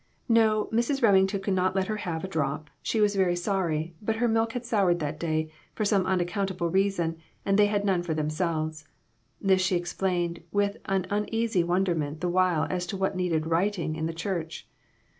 No, Mrs. Remington could not let her have a drop; she was very sorry, but her milk had soured that day, for some unaccountable reason, and they had none for themselves. This she explained, with an uneasy wonderment the while as to what needed "righting" in the church.